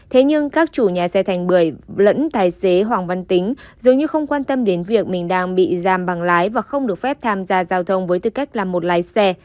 thế nhưng các chủ nhà xe thành bưởi lẫn tài xế hoàng văn tính dù như không quan tâm đến việc mình đang bị giam bằng lái và không được phép tham gia giao thông với tư cách là một lái xe